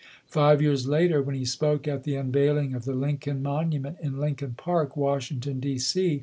Five years later, when he spoke at the unveiling of the Lincoln Monument in Lincoln Park, Washington, D. C.